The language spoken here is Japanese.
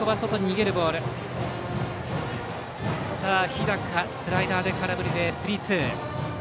日高スライダーで空振りでスリーツー。